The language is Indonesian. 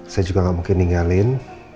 saya juga tidak mungkin meninggalkan